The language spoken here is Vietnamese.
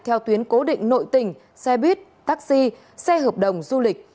theo tuyến cố định nội tỉnh xe buýt taxi xe hợp đồng du lịch